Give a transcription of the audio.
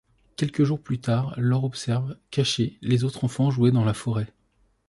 Quelques jours plus tard, Laure observe, cachée, les autres enfants jouer dans la forêt.